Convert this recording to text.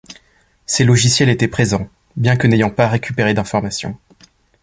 Ces logiciels étaient présents bien que n'ayant pas récupéré d'informations.